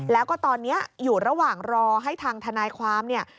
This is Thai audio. แล้วก็ตอนนี้อยู่ระหว่างรอให้ทางทนายความเนี่ย